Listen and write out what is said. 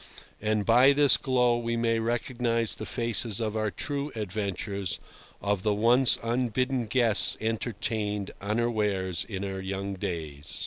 And by this glow we may recognise the faces of our true adventures, of the once unbidden guests entertained unawares in our young days.